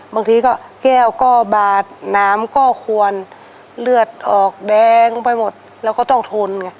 บางทีก็แก้วก็บาดน้ำก็ควรเลือดออกแดงไปหมดเราก็ต้องทนไง